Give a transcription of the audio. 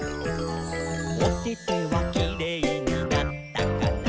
「おててはキレイになったかな？」